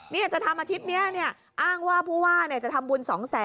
นี่จะทำอาทิตย์เนี่ยเนี่ยอ้างว่าผู้ว่าเนี่ยจะทำบุญ๒๐๐๐๐๐